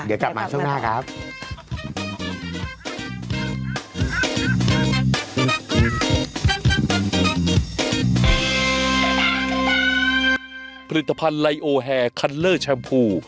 เดี๋ยวกลับมาช่วงหน้าครับ